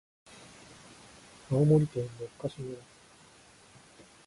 青森県六ヶ所村